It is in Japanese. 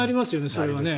それはね。